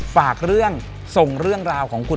ฝากเรื่องส่งเรื่องราวของคุณ